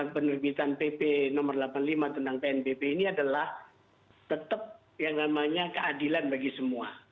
penerbitan pp no delapan puluh lima tentang pnbp ini adalah tetap yang namanya keadilan bagi semua